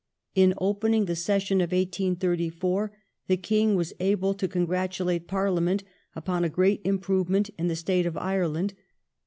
In opening the session of 1834, the King was able to congratulate Parliament upon a great improvement in the state of Ireland.